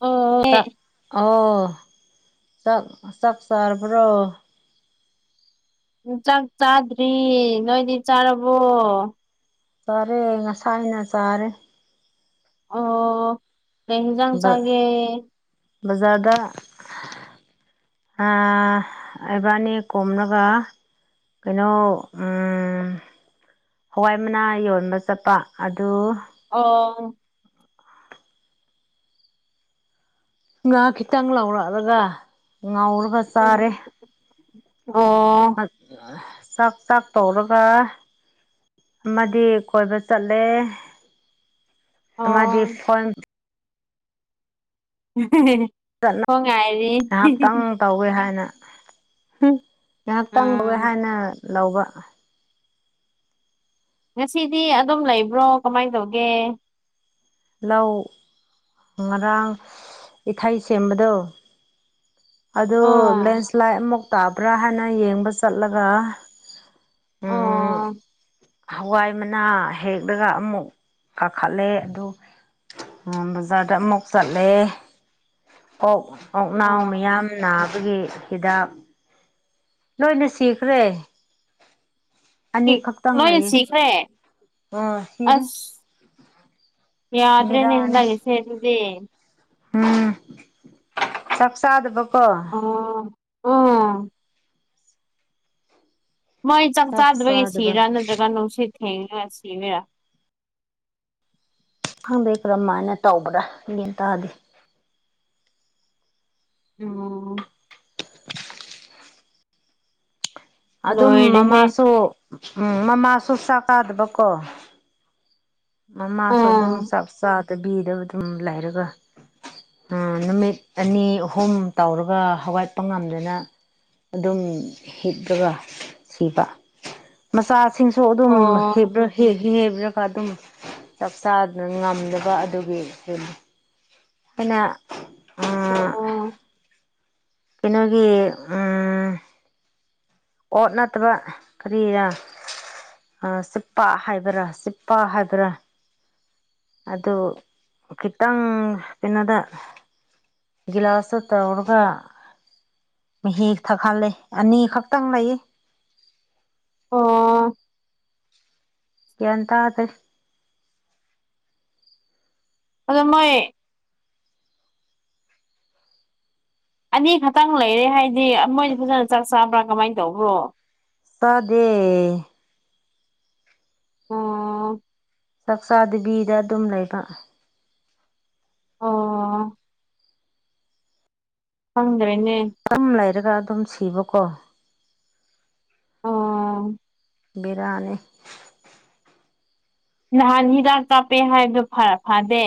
ꯑꯣ ꯇꯥ ꯑꯎ ꯆꯥꯛ ꯆꯥꯛ ꯆꯥꯔꯕ꯭ꯔꫭ ꯆꯥꯛ ꯆꯥꯗ꯭ꯔꯤ ꯅꯣꯏꯗꯤ ꯆꯥꯔꯕꯣ ꯆꯥꯔꯦ ꯉꯁꯥꯏꯅ ꯆꯥꯔꯦ ꯑꯣ ꯀꯩ ꯏꯟꯖꯥꯡ ꯕ ꯆꯥꯒꯦ ꯕꯖꯥꯔꯗ ꯑꯥ ꯑꯩꯕꯅꯤ ꯀꯨꯝꯔꯒ ꯀꯩꯅꯣ ꯎꯝ ꯍꯋꯥꯏ ꯃꯅꯥ ꯌꯣꯟꯕ ꯆꯠꯄ ꯑꯗꯨ ꯑꯣ ꯉꯥ ꯈꯤꯇꯪ ꯂꯥꯎꯔꯛꯑꯒ ꯉꯥꯎꯔꯒ ꯆꯥꯔꯦ ꯑꯣ ꯆꯥꯛ ꯆꯥꯛ ꯇꯧꯔꯒ ꯑꯃꯗꯤ ꯀꯣꯏꯕ ꯆꯠꯂꯦ ꯑꯃꯗꯤ ꯑꯣ ꯐꯣꯟ ꯍꯦꯍꯦꯍꯦ ꯅꯍꯥꯛꯇꯪ ꯇꯧꯋꯦ ꯍꯥꯏꯅ ꯍꯨꯝ ꯉꯥꯏꯍꯥꯛꯇꯪꯕ ꯑꯥ ꯍꯥꯏꯅ ꯂꯧꯕ ꯉꯁꯤꯗꯤ ꯑꯗꯨꯝ ꯂꯩꯕ꯭ꯔꯣ ꯀꯃꯥꯏꯟ ꯇꯧꯒꯦ ꯂꯧ ꯉꯔꯥꯡ ꯏꯊꯩ ꯁꯦꯝꯕꯗꯣ ꯑꯗꯣ ꯑꯥ ꯂꯦꯟꯁ꯭ꯂꯥꯏꯠ ꯑꯃꯨꯛ ꯇꯥꯄ꯭ꯔꯥ ꯍꯥꯏꯅ ꯌꯦꯡꯕ ꯆꯠꯂꯒ ꯎꯝ ꯑꯣ ꯍꯋꯥꯏ ꯃꯅꯥ ꯍꯦꯛꯂꯒ ꯑꯃꯨꯛ ꯀꯥꯈꯠꯂꯦ ꯑꯗꯨ ꯎꯝꯕꯖ ꯗꯛꯇꯔꯗ ꯑꯃꯨꯛ ꯆꯠꯂꯦ ꯀꯣꯛ ꯀꯣꯛꯅꯥꯎ ꯃꯌꯥꯝ ꯑꯣ ꯅꯥꯕꯒꯤ ꯍꯤꯗꯥꯛ ꯂꯣꯏꯅ ꯁꯤꯈꯔꯦ ꯑꯅꯤ ꯈꯛꯇꯪ ꯂꯣꯏꯅ ꯂꯩꯌꯦ ꯁꯤꯈ꯭ꯔꯦ ꯑ ꯁꯤꯔꯦ ꯌꯥꯗ꯭ꯔꯦ ꯕꯦꯔꯥꯅꯦ ꯅꯪꯒꯤꯁꯦ ꯑꯗꯨꯗꯤ ꯎꯝ ꯆꯥꯛ ꯆꯥꯗꯕꯀꯣ ꯑꯣ ꯎꯝ ꯃꯣꯏ ꯆꯥꯛ ꯆꯥꯗꯕꯒꯤ ꯁꯤꯔꯥ ꯅꯠꯇ꯭ꯔꯒ ꯅꯨꯡꯁꯤꯠ ꯊꯦꯡꯉꯒ ꯁꯤꯔꯤꯔꯥ ꯈꯪꯗꯩ ꯀꯔꯝꯥꯏꯅ ꯇꯧꯕ꯭ꯔꯥ ꯒ꯭ꯌꯟ ꯇꯥꯗꯦ ꯑꯣ ꯑꯗꯨꯝ ꯂꯣꯏꯔꯦꯍꯦ ꯃꯃꯥꯁꯨ ꯎꯝ ꯃꯥꯃꯥꯁꯨ ꯆꯥꯛ ꯆꯥꯗꯕꯀꯣ ꯃꯃꯥꯁꯨ ꯑꯗꯨꯝ ꯑꯥ ꯆꯥꯛ ꯆꯥꯗꯕꯤꯗ ꯑꯗꯨꯝ ꯂꯩꯔꯒ ꯎꯝ ꯅꯨꯃꯤꯠ ꯑꯅꯤ ꯑꯍꯨꯝ ꯇꯧꯔꯒ ꯍꯧꯒꯠꯄ ꯉꯝꯗꯅ ꯑꯗꯨꯝ ꯍꯤꯞ ꯑꯗꯨꯒ ꯁꯤꯄ ꯃꯆꯥꯁꯤꯡꯁꯨ ꯑꯗꯨꯝ ꯑꯣ ꯍꯤꯔꯒ ꯍꯤꯞꯔꯒ ꯑꯗꯨꯝ ꯆꯥꯛ ꯆꯥꯗ꯭ꯔ ꯉꯝꯗꯕ ꯑꯗꯨꯒꯤ ꯍꯤꯞ ꯀꯅꯥ ꯑꯣ ꯀꯩꯅꯣꯒꯤ ꯎꯝ ꯑꯣꯠ ꯅꯠꯇ꯭ꯔ ꯀꯔꯤꯔꯥ ꯑ ꯆꯦꯄꯥ ꯍꯥꯏ ꯆꯤꯄꯥ ꯍꯥꯏꯕ꯭ꯔ ꯑꯗꯨ ꯈꯤꯇꯪ ꯀꯩꯅꯣꯗ ꯒꯤꯂꯥꯁꯇ ꯇꯧꯔꯒ ꯃꯍꯤ ꯊꯛꯍꯥꯂꯦ ꯑꯅꯤꯈꯛ ꯈꯤꯇꯪ ꯂꯩꯌꯦ ꯑꯣ ꯒꯌ꯭ꯥꯟ ꯇꯥꯗꯦ ꯑꯗꯨꯗ ꯃꯣꯏ ꯑꯅꯤ ꯈꯛꯇꯪ ꯂꯩꯔꯦ ꯍꯥꯏꯗꯤ ꯃꯣꯏꯗꯤ ꯐꯖꯅ ꯆꯥꯛ ꯆꯥꯕ꯭ꯔꯥ ꯀꯃꯥꯏꯅ ꯇꯧꯕ꯭ꯔꯣ ꯇꯖꯦ ꯑꯣ ꯆꯥꯛꯆꯥ ꯗꯦꯕꯤꯗ ꯑꯗꯨꯝ ꯂꯩꯕ ꯑꯣ ꯐꯪꯗ꯭ꯔꯦꯅꯦ ꯑꯗꯨꯝ ꯂꯩꯔꯒ ꯑꯗꯨꯝ ꯁꯤꯕꯀꯣ ꯑꯣ ꯕꯤꯔꯅꯤ ꯅꯍꯥꯟ ꯍꯤꯗꯥꯛ ꯀꯥꯞꯄꯦ ꯍꯥꯏꯕꯗꯣ ꯐꯔ ꯐꯗꯦ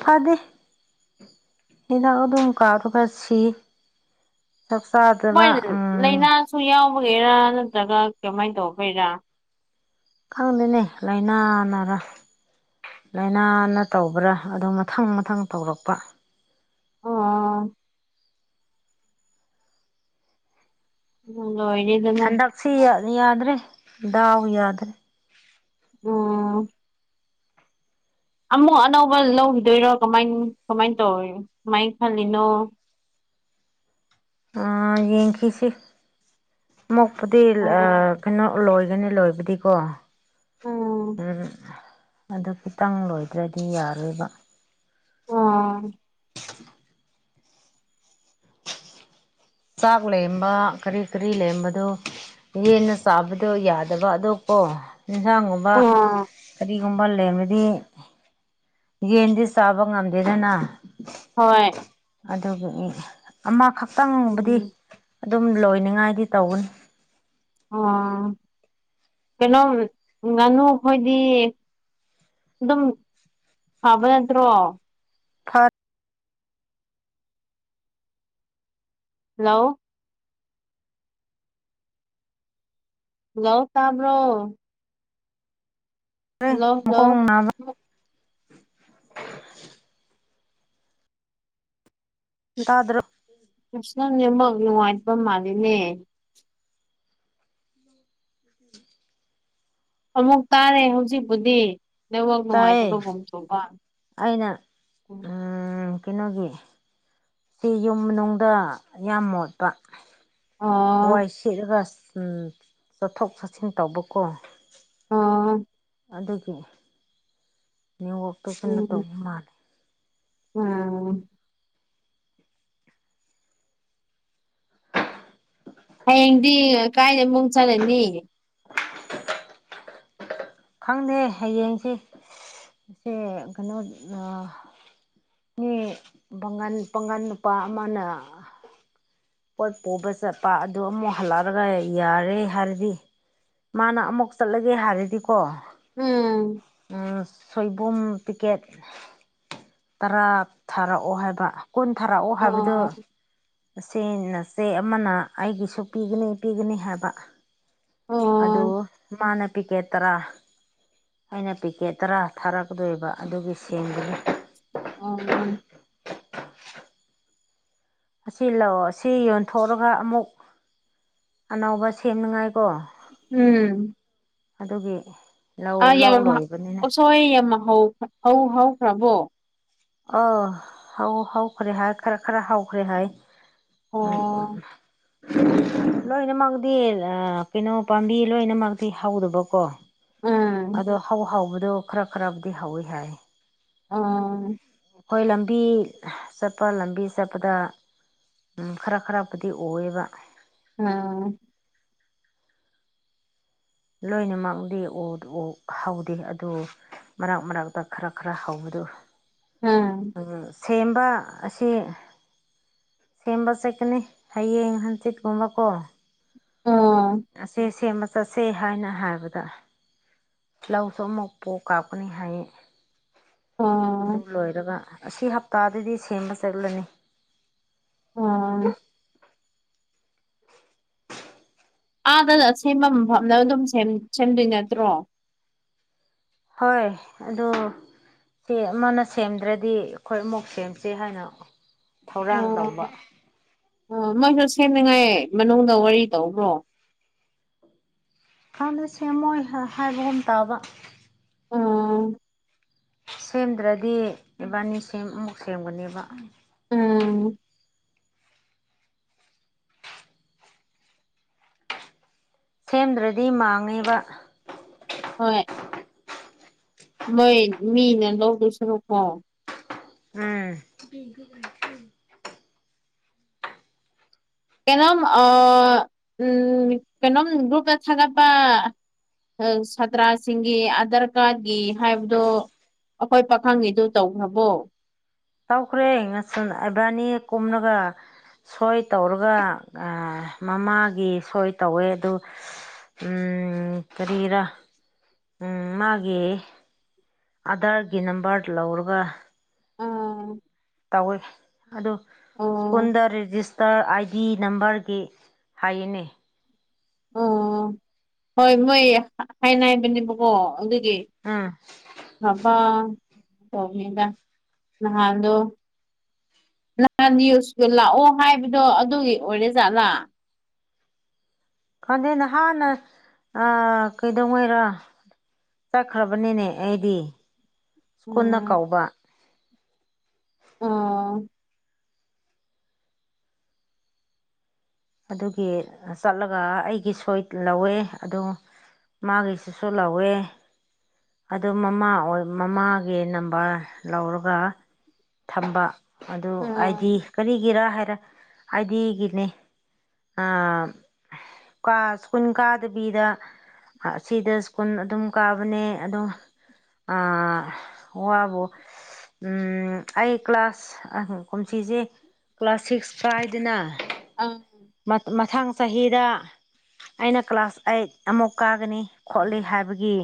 ꯐꯗꯦ ꯍꯤꯗꯥꯛ ꯑꯗꯨꯝ ꯀꯥꯔꯒ ꯁꯤ ꯆꯞꯁꯥꯗꯕ ꯎꯝ ꯁꯨ ꯌꯥꯎꯕꯒꯩꯔꯥ ꯅꯠꯇ꯭ꯔꯒ ꯀꯃꯥꯏꯅ ꯇꯧꯕꯒꯒꯤꯔꯥ ꯈꯪꯗꯦꯅꯦ ꯂꯥꯏꯅꯥ ꯅꯥꯔ ꯂꯥꯏꯅꯥꯅ ꯇꯧꯕ꯭ꯔꯥ ꯑꯗꯨ ꯃꯊꯪ ꯃꯊꯪ ꯇꯧꯔꯛꯄ ꯑꯣ ꯎꯣ ꯏꯗꯅ ꯁꯤ ꯌꯥꯗ꯭ꯔꯦ ꯗꯥꯎ ꯌꯥꯗ꯭ꯔꯦ ꯎꯝ ꯑꯃꯨꯛ ꯑꯅꯧꯕ ꯂꯧꯈꯤꯗꯣꯏꯔꯣ ꯀꯃꯥꯏ ꯀꯃꯥꯏꯅ ꯇꯧꯣ ꯀꯃꯥꯏꯅ ꯈꯜꯂꯤꯅꯣ ꯌꯦꯡꯈꯤꯁꯤ ꯃꯣꯛꯄꯨꯗꯤ ꯑꯣ ꯀꯩꯅꯣ ꯑꯣ ꯂꯣꯏꯒꯅꯤ ꯂꯣꯏꯕꯗꯤꯀꯣ ꯎꯝ ꯑꯗꯨ ꯈꯤꯇꯪ ꯂꯣꯏꯗ꯭ꯔꯗꯤ ꯌꯥꯔꯣꯏꯕ ꯑꯥ ꯆꯥꯛ ꯂꯩꯔꯝꯕ ꯀꯔꯤ ꯀꯔꯤ ꯂꯩꯔꯝꯕꯗꯨ ꯌꯦꯟꯅ ꯆꯥꯕꯗꯣ ꯌꯥꯗꯕ ꯑꯗꯣ ꯀꯣ ꯑꯦꯟꯁꯥꯡꯒꯨꯝꯕ ꯑ ꯀꯔꯤꯒꯨꯝꯕ ꯃꯜꯂꯦ ꯑꯃꯗꯤꯗꯤ ꯌꯦꯟꯗꯤ ꯆꯥꯕ ꯉꯝꯗꯦꯗꯅ ꯍꯣꯏ ꯑꯗꯨ ꯑꯃꯈꯛꯇꯪꯕꯨꯗꯤ ꯎꯝ ꯑꯗꯨꯝ ꯂꯣꯏꯅꯤꯡꯉꯥꯏꯗꯤ ꯇꯧꯒꯅꯤ ꯑꯣ ꯀꯩꯅꯣꯝ ꯉꯥꯅꯨꯈꯣꯏꯗꯤ ꯑꯗꯨꯝ ꯐꯕ ꯅꯠꯇ꯭ꯔꯣ ꯐꯔ ꯍꯜꯂꯣ ꯍꯜꯂꯣ ꯇꯥꯕ꯭ꯔꯣ ꯃꯈ ꯍꯜꯂꯣ ꯍꯜꯂꯣ ꯃꯈꯣꯡ ꯅꯥꯕ ꯇꯥꯗꯔ ꯀꯁꯅꯅꯤꯃꯒꯅꯤ ꯋꯥꯠꯄꯝ ꯃꯥꯅꯦ ꯑꯃꯨꯛ ꯇꯥꯔꯦ ꯍꯧꯖꯤꯛꯄꯨꯗꯤ ꯅꯃꯛ ꯅꯨꯡꯉꯥꯏꯇꯕ ꯇꯥꯏꯌꯦ ꯍꯣꯡꯊꯣꯛꯕ ꯑꯩꯅ ꯎꯝ ꯀꯩꯅꯣꯒꯤ ꯁꯤ ꯌꯨꯝ ꯃꯅꯨꯡꯗ ꯌꯥꯝ ꯃꯣꯠꯄ ꯋꯥꯏ ꯑꯣ ꯁꯦꯠꯂꯒ ꯆꯠꯊꯣꯛ ꯆꯠꯁꯤꯟ ꯇꯧꯕ ꯀꯣ ꯑꯣ ꯑꯗꯨꯒꯤ ꯅꯦꯝꯋꯥꯛꯇꯣ ꯀꯟꯅ ꯎꯝ ꯇꯧꯕ ꯃꯥꯜꯂꯦ ꯎꯝ ꯍꯌꯦꯡꯗꯤ ꯀꯥꯏꯗ ꯑꯃꯨꯛ ꯆꯠꯂꯅꯤ [unintelligible] ꯈꯪꯗꯦ ꯍꯌꯦꯡꯁꯦ ꯁꯦ ꯀꯩꯅꯣ ꯑꯥ ꯃꯤ ꯕꯥꯡꯒꯟ ꯄꯥꯒꯟ ꯅꯨꯄꯥ ꯑꯃꯅ ꯄꯣꯠ ꯄꯨꯕ ꯆꯠꯄ ꯑꯗꯨ ꯑꯃꯨꯛ ꯍꯜꯂꯛꯑꯒꯥ ꯌꯥꯔꯦ ꯍꯥꯏꯔꯗꯤ ꯃꯥꯅ ꯑꯃꯨꯛ ꯆꯠꯂꯒꯦ ꯍꯥꯏꯔꯗꯤꯀꯣ ꯍꯝ ꯎꯝ ꯁꯣꯏꯕꯨꯝ ꯄꯤꯀꯦꯠ ꯇꯔꯥ ꯊꯥꯔꯛꯑꯣ ꯍꯥꯏꯕ ꯀꯨꯟ ꯊꯥꯔꯛꯑꯣ ꯍꯥꯏꯕꯗꯨ ꯑꯣ ꯑꯁꯤ ꯅꯥꯆꯦ ꯑꯃꯅ ꯑꯩꯒꯤꯁꯨ ꯄꯤꯒꯥꯅꯤ ꯄꯤꯒꯥꯅꯤ ꯍꯥꯏꯕ ꯑꯗꯣ ꯑꯣ ꯃꯥꯅ ꯄꯤꯀꯦꯠ ꯇꯔꯥ ꯑꯩꯅ ꯄꯤꯀꯦꯠ ꯇꯔꯥ ꯊꯥꯔꯛꯀꯥꯗꯣꯏꯕ ꯑꯗꯨꯒꯤ ꯁꯦꯡꯕꯅꯤ ꯑꯥ ꯃꯥꯅꯦ ꯑꯁꯤ ꯂꯥꯎꯑꯣ ꯑꯁꯤ ꯌꯣꯟꯊꯣꯛꯂꯒꯥ ꯑꯃꯨꯛ ꯑꯅꯧꯕ ꯁꯦꯝꯅꯤꯉꯥꯏ ꯀꯣ ꯎꯝ ꯑꯗꯨꯒꯤ ꯑꯥ ꯂꯧ ꯂꯧ ꯌꯥꯝ ꯂꯣꯏꯕꯅꯤꯅ ꯎꯁꯣꯏ ꯌꯥꯝꯅ ꯍꯧ ꯍꯧꯈ꯭ꯔꯕꯣ ꯑꯥ ꯍꯥꯎ ꯍꯧꯎꯈ꯭ꯔꯦ ꯍꯥꯏ ꯈꯔ ꯈꯔ ꯍꯥꯎꯈ꯭ꯔꯦ ꯍꯥꯏ ꯎꯝ ꯎꯝ ꯑꯣ ꯂꯣꯏꯅꯃꯛꯇꯤ ꯀꯩꯅꯣ ꯄꯥꯝꯕꯤ ꯂꯣꯏꯅꯃꯛꯇꯤ ꯍꯧꯔꯕꯀꯣ ꯎꯝ ꯑꯗꯣ ꯍꯧ ꯍꯥꯎꯕꯗꯣ ꯈꯔ ꯈꯔꯕꯨꯗꯤ ꯍꯧꯋꯤ ꯍꯥꯏ ꯑꯥ ꯍꯣꯏ ꯂꯝꯕꯤ ꯆꯠꯄ ꯂꯝꯕꯤ ꯆꯠꯄꯗꯥ ꯈꯔ ꯈꯔ ꯕꯨꯗꯤ ꯑꯣꯏꯌꯦꯕ ꯎꯝ ꯂꯣꯏꯅꯃꯛꯗꯤ ꯑꯣ ꯍꯧꯗꯦ ꯑꯗꯨ ꯃꯔꯛ ꯃꯔꯛꯇꯥ ꯈꯔ ꯈꯔ ꯍꯧꯕꯗꯣ ꯎꯝ ꯁꯦꯝꯕ ꯑꯁꯤ ꯁꯦꯝꯕ ꯆꯠꯀꯥꯅꯤ ꯍꯌꯦꯡ ꯍꯟꯆꯤꯠꯀꯨꯝꯕꯀꯣ ꯑꯣ ꯑꯁꯦ ꯁꯦꯝꯕ ꯆꯠꯁꯦ ꯍꯥꯏꯅ ꯍꯥꯏꯕꯗꯥ ꯂꯧꯁꯨ ꯑꯃꯨꯛ ꯄꯣꯛ ꯀꯥꯞꯀꯥꯅꯤ ꯍꯥꯏꯌꯦ ꯑꯗꯨ ꯎꯝ ꯂꯣꯏꯔꯒꯥ ꯑꯁꯤ ꯍꯞꯇꯥꯗꯥꯗꯤ ꯁꯦꯝꯕ ꯆꯠꯂꯅꯤ ꯎꯝ ꯑꯥꯗ ꯁꯦꯝꯕ ꯃꯐꯝꯗꯥ ꯑꯗꯨꯝ ꯁꯦꯝ ꯁꯦꯝꯗꯣꯏ ꯅꯠꯇ꯭ꯔꯣ ꯍꯣꯏ ꯑꯗꯨ ꯇꯦ ꯑꯃꯅ ꯁꯦꯝꯗ꯭ꯔꯗꯤ ꯑꯩꯈꯣꯏ ꯑꯃꯨꯛ ꯁꯦꯝꯁꯦ ꯍꯥꯏꯅ ꯊꯧꯔꯥꯡ ꯑꯣ ꯇꯧꯕ ꯑꯣ ꯃꯣꯏꯁꯨ ꯁꯦꯝꯅꯤꯡꯉꯥꯏ ꯃꯅꯨꯡꯗꯥ ꯋꯥꯔꯤ ꯇꯧꯕ꯭ꯔꯣ ꯍꯥꯟꯅ ꯁꯦꯝꯃꯣꯏ ꯍꯥꯏꯕꯒꯨꯝ ꯇꯥꯕ ꯎꯝ ꯁꯦꯝꯗ꯭ꯔꯗꯤ ꯏꯕꯥꯅꯤ ꯁꯦꯝ ꯑꯃꯨꯛ ꯁꯦꯝꯒꯥꯅꯦꯕ ꯎꯝ ꯁꯦꯝꯗ꯭ꯔꯗꯤ ꯃꯥꯡꯉꯦꯕ ꯍꯣꯏ ꯅꯣꯏ ꯃꯤꯅ ꯂꯧꯗꯣꯏ ꯁꯥꯔꯨꯛꯀꯣ [unintelligible] ꯀꯩꯅꯣꯝ ꯑꯥ ꯎꯝ ꯀꯩꯅꯣꯝ ꯒ꯭ꯔꯨꯞꯇꯥ ꯊꯥꯒꯠꯄ ꯁꯥꯇ꯭ꯔꯥꯁꯤꯡꯒꯤ ꯑꯙꯔ ꯀꯥꯔꯠꯒꯤ ꯍꯥꯏꯕꯗꯣ ꯑꯈꯣꯏ ꯄꯥꯈꯪꯒꯤꯗꯨ ꯇꯧꯈ꯭ꯔꯕꯣ ꯇꯧꯈ꯭ꯔꯦ ꯉꯥꯁꯟ ꯏꯕꯥꯅꯤ ꯀꯨꯝꯂꯒꯥ ꯁꯣꯏ ꯇꯧꯔꯒꯥ ꯑꯥ ꯃꯃꯥꯒꯤ ꯁꯣꯏ ꯇꯧꯋꯦ ꯑꯗꯨ ꯎꯝ ꯀꯔꯤꯔꯥ ꯎꯝ ꯃꯥꯒꯤ ꯑꯥꯗꯥꯔꯒꯤ ꯅꯝꯕꯔ ꯂꯧꯔꯕꯥ ꯎꯝ ꯇꯧꯋꯤ ꯑꯗꯨ ꯑꯣ ꯁ꯭ꯀꯨꯟꯗꯥ ꯔꯤꯖꯤꯁ ꯇꯔ ꯑꯥꯏ ꯗꯤ ꯅꯝꯕꯔꯒꯤ ꯍꯥꯏꯌꯦꯅꯦ ꯑꯝ ꯍꯣꯏ ꯃꯣꯏ ꯍꯥꯏꯅꯥꯏꯕꯅꯦꯕꯀꯣ ꯑꯗꯨꯒꯤ ꯎꯝ [unintelligible] ꯅꯍꯥꯟꯗꯣ [inaudible] ꯂꯥꯛꯑꯣ ꯍꯥꯏꯕꯗꯣ ꯑꯗꯨꯒꯤ ꯑꯣꯏꯔꯦꯖꯥꯠꯂꯥ ꯈꯥꯟꯗꯦ ꯅꯍꯥꯟꯅ ꯑ ꯀꯩꯗꯧ ꯉꯩꯔꯥ ꯆꯠꯈ꯭ꯔꯕꯅꯦꯅꯦ ꯑꯩꯗꯤ ꯁ꯭ꯀꯨꯜꯅ ꯎꯝ ꯀꯧꯕ ꯑꯣ ꯑꯗꯨꯒꯤ ꯑ ꯆꯠꯂꯒ ꯑꯩꯒꯤ ꯁꯣꯏ꯭ꯠ ꯂꯧꯋꯦ ꯑꯗꯨ ꯃꯥꯒꯤꯁꯤꯁꯨ ꯂꯧꯋꯦ ꯑꯗꯨ ꯃꯃꯥ ꯑꯣꯏ ꯃꯃꯥꯒꯤ ꯅꯝꯕꯔ ꯂꯧꯔꯒ ꯊꯝꯕ ꯑꯗꯨ ꯑꯥꯏꯗꯤ ꯎꯝ ꯀꯔꯤꯒꯤꯔ ꯍꯥꯏꯔ ꯑꯥꯏꯗꯤꯒꯤꯅꯦ ꯑ ꯀ ꯁ꯭ꯀꯨꯟ ꯀꯥꯗꯕꯤꯗ ꯍꯥ ꯁꯤꯗ ꯁ꯭ꯀꯨꯜ ꯑꯗꯨꯝ ꯀꯥꯕꯅꯦ ꯑꯗ‌ꯣ ꯑ ꯋꯥꯕꯨ ꯎꯝ ꯑꯩ ꯀ꯭ꯂꯥꯁ ꯀꯨꯝꯁꯤꯁ‌ꯦ ꯀ꯭ꯂꯥꯁ ꯁꯤꯛ꯭ꯁ ꯀꯥꯏꯗꯅ ꯑꯪ ꯃꯠ ꯃꯊꯪ ꯆꯍꯤꯗ ꯑꯩꯅ ꯀ꯭ꯂꯥꯁ ꯑꯩꯠ ꯑꯃꯨꯛ ꯀꯥꯒꯅꯤ ꯈꯣꯠꯂꯤ ꯍꯥꯏꯕꯒꯤ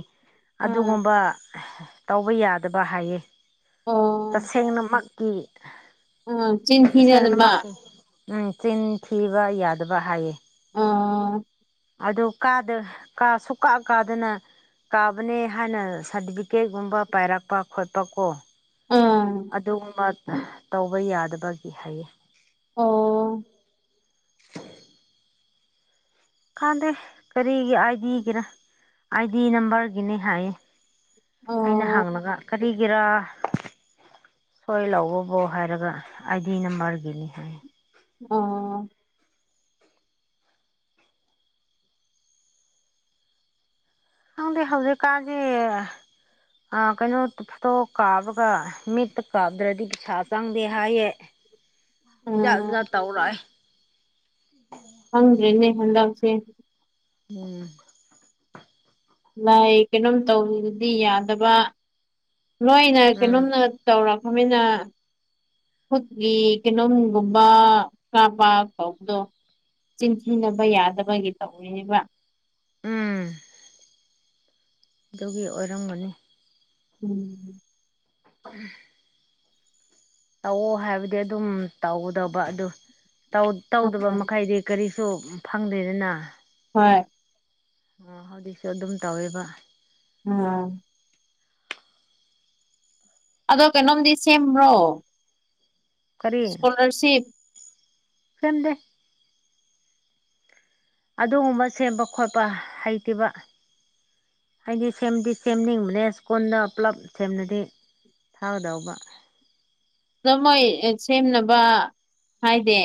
ꯎꯝ ꯑꯗꯨꯒꯨꯝꯕ ꯇꯧꯕ ꯌꯥꯗꯕ ꯍꯥꯏꯌꯦ ꯑꯣ ꯇꯁꯦꯡꯅꯃꯛꯀꯤ ꯎꯝ ꯆꯤꯟ ꯊꯤꯅꯗꯕ ꯇꯁꯦꯡꯅꯃꯛꯀꯤ ꯎꯝ ꯆꯤꯟ ꯊꯤꯕ ꯌꯥꯗꯕ ꯍꯥꯏꯌꯦ ꯑꯥ ꯑꯗꯨ ꯀꯥꯗ ꯀꯥ ꯁꯨꯡꯀꯥ ꯀꯥꯗꯅ ꯀꯥꯕꯅꯦ ꯍꯥꯏꯅ ꯁꯥꯔꯇꯤꯐꯤꯀꯦꯠꯒꯨꯝꯕ ꯄꯥꯏꯔꯛꯄ ꯈꯣꯠꯄ ꯀꯣ ꯑꯪ ꯑꯗꯨꯒꯨꯝꯕ ꯇꯧꯕ ꯌꯥꯗꯕꯒꯤ ꯍꯥꯏꯌꯦ ꯑꯣ [unintelligible] ꯈꯪꯗꯦ ꯀꯔꯤꯒꯤ ꯑꯥꯏꯗꯤꯒꯤꯔ ꯑꯥꯏꯗꯤ ꯅꯝꯕꯔꯒꯤꯅꯦ ꯍꯥꯏꯌꯦ ꯑꯩꯅ ꯑꯣ ꯍꯪꯂꯒ ꯀꯔꯤꯒꯤꯔꯥ ꯁꯣꯏ ꯂꯧꯕꯕꯨ ꯍꯥꯏꯔꯒ ꯑꯥꯏꯗꯤ ꯅꯝꯕꯔꯒꯤꯅꯤ ꯍꯥꯏ ꯑꯣ ꯈꯪꯗꯦ ꯍꯧꯖꯤꯛ ꯀꯥꯟꯗꯤ ꯑꯥ ꯀꯩꯅꯣ ꯐꯣꯇꯣ ꯀꯥꯞꯕꯒ ꯃꯤꯠꯇ ꯀꯥꯞꯗ꯭ꯔꯗꯤ ꯄꯩꯁꯥ ꯆꯪꯗꯦ ꯍꯥꯏꯌꯦ ꯖꯥꯠ ꯎꯝ ꯖꯥꯠ ꯇꯧꯔꯛꯑꯦ ꯍꯪꯗ꯭ꯔꯦꯅꯦ ꯍꯟꯗꯛꯁꯦ ꯎꯝ ꯂꯥꯏ ꯀꯩꯅꯣꯝ ꯇꯧꯕꯗꯤ ꯌꯥꯗꯕ ꯂꯣꯏꯅ ꯎꯝ ꯀꯩꯅꯣꯝꯅ ꯇꯧꯔꯛꯄ ꯃꯤꯅ ꯈꯨꯠꯀꯤ ꯀꯩꯅꯣꯝꯒꯨꯝꯕ ꯀꯥꯞꯄ ꯇꯧꯕꯗꯣ ꯆꯤꯟ ꯊꯤꯅꯕ ꯌꯥꯗꯕꯒꯤ ꯇꯧꯔꯤꯅꯤꯕ ꯎꯝ ꯑꯗꯨꯒꯤ ꯑꯣꯏꯔꯝꯒꯅꯤ ꯎꯝ [unintelligible] ꯇꯧꯑꯣ ꯍꯥꯏꯕꯗꯤ ꯑꯗꯨꯝ ꯇꯧꯒꯗꯧꯕ ꯑꯗꯨ ꯇꯧ ꯇꯧꯗꯕ ꯎꯝ ꯃꯈꯩꯗꯤ ꯀꯔꯤꯁꯨ ꯐꯪꯗ꯭ꯔꯦꯗꯅ ꯍꯣꯏ ꯑꯣ ꯍꯧꯖꯤꯛꯁꯨ ꯑꯗꯨꯝ ꯇꯧꯋꯦꯕ ꯎꯝ ꯑꯗꯣ ꯀꯩꯅꯣꯝꯗꯤ ꯁꯦꯝꯕ꯭ꯔꯣ ꯀꯔꯤ ꯏꯁꯀꯣꯂꯥꯔꯁꯤꯞꯇ ꯁ‌ꯦꯝꯗꯦ ꯑꯗꯨꯒꯨꯝꯕ ꯁꯦꯝꯕꯥ ꯈꯣꯠꯄꯥ ꯍꯩꯇ‌ꯦꯕꯥ ꯍꯥꯏꯗꯤ ꯁꯦꯝꯗꯤ ꯁꯦꯝꯅꯤꯡꯕꯅꯦ ꯁ꯭ꯀꯨꯜꯗ ꯄꯨꯂꯞ ꯁꯦꯝꯗꯔꯗꯤ ꯐꯒꯗꯧꯕ ꯑꯗ‌ꯣ ꯃꯣꯏ ꯁꯦꯝꯅꯥꯕ ꯍꯥꯏꯗꯦ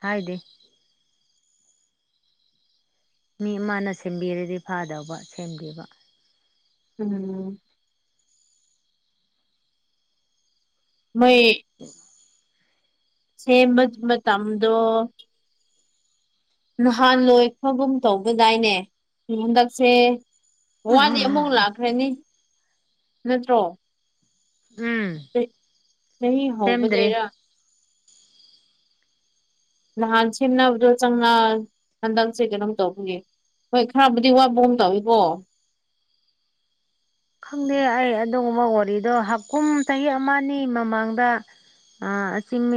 ꯍꯥꯏꯗꯦ ꯃꯤ ꯑꯃꯥꯅ ꯁꯦꯝꯕꯤꯔꯥꯗꯤ ꯐꯥꯗꯧꯕ ꯁꯦꯝꯕꯤꯕ ꯎꯝ ꯃ‌ꯣꯏ [unintelligible] ꯁꯦꯝꯕꯥꯚꯤ ꯃꯇꯃꯗꯣ ꯅꯍꯥꯟ ꯂꯣꯏꯈ꯭ꯔꯒꯨꯝ ꯇꯧꯕꯗꯥꯏꯅꯦ ꯍꯟꯗꯛꯁꯦ ꯋꯥꯠꯂꯤ ꯑꯃꯨꯛ ꯂꯥꯛꯈ꯭ꯔꯥꯅꯤ ꯅꯠꯇ꯭ꯔꯣ ꯎꯝ ꯑꯥ ꯆꯍꯤ ꯁꯦꯝꯗ꯭ꯔꯤ ꯍꯧꯕꯗꯩꯔꯥ ꯅꯍꯥꯟ ꯁꯦꯃꯅꯥꯕꯗꯣ ꯆꯪꯅ ꯍꯟꯗꯛꯁꯦ ꯀꯩꯅꯣꯝ ꯇꯧꯕꯒꯤ ꯍꯣꯢ ꯈ꯭ꯔꯥꯕꯨꯗꯤ ꯋꯥꯠꯄꯒꯨꯝ ꯇꯧꯋꯦ ꯀꯣ ꯈꯪꯗꯦ ꯑꯩ ꯑꯗꯨꯒꯨꯝꯕ ꯋꯥꯔꯤꯗꯣ ꯍꯥꯀꯨꯝ ꯆꯍꯤ ꯑꯃ ꯑꯅꯤ ꯃꯃꯥꯡꯗ ꯑ ꯑꯁꯤꯡ ꯃꯤ